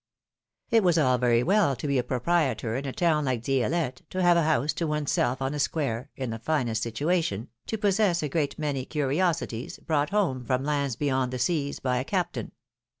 It was all very well to be a proprietor in a town like Di^lette, to have a house to one's self on a square, in the finest situation, to possess a great many curiosities, brought home from lands beyond the seas by a Captain.